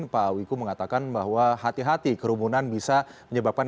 pak wiku mengatakan bahwa hati hati kerumunan bisa menyebabkan